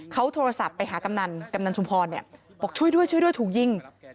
เขาโทรศัพท์ไปหากำนันกำนันชุมพรบอกช่วยด้วยช่วยด้วยถูกยิง